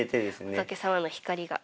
仏様の光が。